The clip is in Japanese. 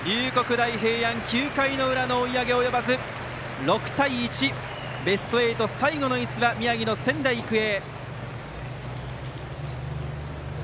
大平安９回の裏の追い上げ及ばず６対１、ベスト８最後のいすは宮城の仙台育英。